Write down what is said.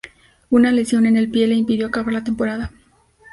Una lesión en el pie le impidió acabar la temporada.